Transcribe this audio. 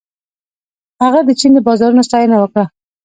هغه د چین د بازارونو ستاینه وکړه.